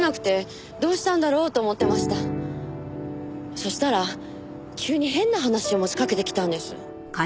そしたら急に変な話を持ちかけてきたんです。